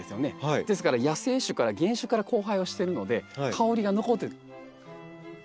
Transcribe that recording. ですから野生種から原種から交配をしてるので香りが残ってる。